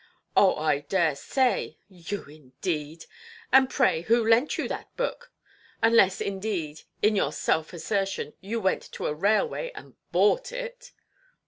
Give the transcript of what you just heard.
"Oh, I dare say; you, indeed! And pray who lent you that book? Unless, indeed, in your self–assertion, you went to a railway and bought it".